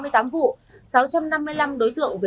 vật chứng thu giữ gồm heroin ma túy tổng hợp thuốc viện